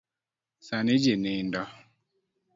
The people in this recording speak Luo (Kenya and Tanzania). Sani ji nindo.